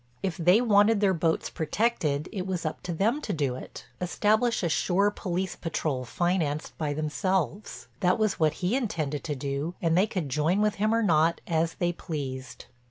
If they wanted their boats protected it was up to them to do it, establish a shore police patrol financed by themselves. That was what he intended to do and they could join with him or not as they pleased.